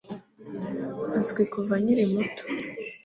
Azwi kuva nkiri muto